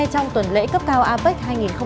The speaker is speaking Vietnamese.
trong tuần lễ cấp cao apec hai nghìn một mươi bảy